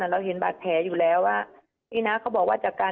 เราเห็นบาดแผลอยู่แล้วว่านี่นะเขาบอกว่าจากการ